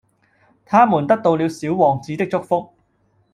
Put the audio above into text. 它們得到了小王子的祝福